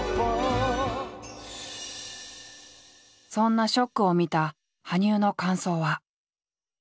そんな「ＳＨＯＣＫ」を見た羽生の感想は。